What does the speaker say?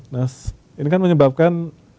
nah ini kan menyebabkan